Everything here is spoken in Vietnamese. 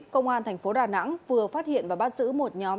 công an thành phố đà nẵng vừa phát hiện và bắt giữ một nhóm